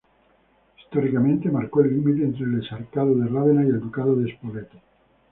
Históricamente, marcó el límite entre el Exarcado de Rávena y el Ducado de Spoleto.